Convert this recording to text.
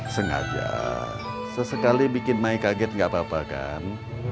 sengaja sesekali bikin maik kaget gak apa apa kan